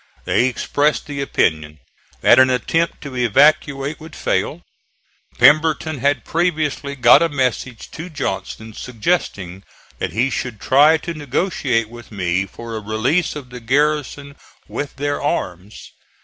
They expressed the opinion that an attempt to evacuate would fail. Pemberton had previously got a message to Johnston suggesting that he should try to negotiate with me for a release of the garrison with their arms.